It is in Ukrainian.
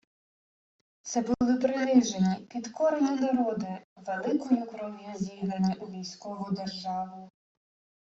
Це були принижені, підкорені народи, великою кров'ю зігнані у військову державу